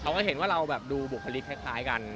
เราก็เห็นว่าเราแบบดูบุคลิกคล้ายกัน